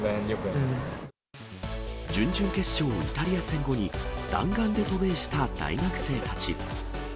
準々決勝、イタリア戦後に弾丸で渡米した大学生たち。